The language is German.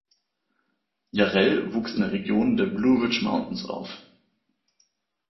Jarrell wuchs in der Region der Blue Ridge Mountains auf.